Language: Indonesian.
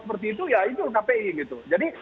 seperti itu ya itu kpi gitu jadi